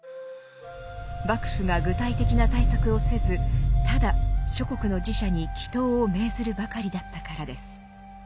幕府が具体的な対策をせずただ諸国の寺社に祈祷を命ずるばかりだったからです。